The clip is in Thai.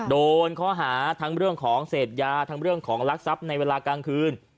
โดนข้อหาทั้งเรื่องของเสพยาทั้งเรื่องของรักทรัพย์ในเวลากลางคืน